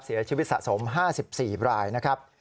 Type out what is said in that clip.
เสียชีวิตสะสม๕๔รายนะครับ